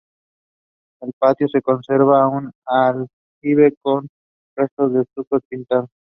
En el patio se conserva un aljibe con restos de estuco pintado.